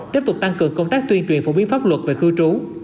tiếp tục tăng cường công tác tuyên truyền phổ biến pháp luật về cư trú